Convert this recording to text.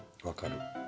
分かる。